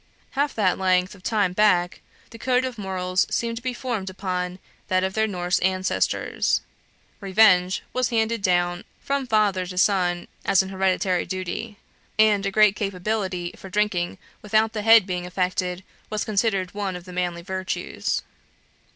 Half that length of time back, the code of morals seemed to be formed upon that of their Norse ancestors. Revenge was handed down from father to son as an hereditary duty; and a great capability for drinking without the head being affected was considered as one of the manly virtues.